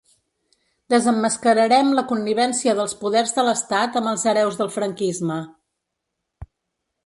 Desemmascararem la connivència dels poders de l’estat amb els hereus del franquisme.